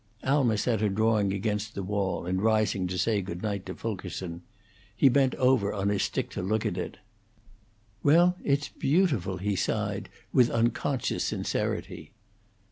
Alma set her drawing against the wall, in rising to say goodnight to Fulkerson. He bent over on his stick to look at it. "Well, it's beautiful," he sighed, with unconscious sincerity.